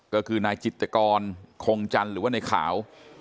ก็คือนายจิตกรคงจันทร์หรือว่าในขาว